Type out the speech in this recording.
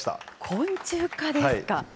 昆虫課ですか。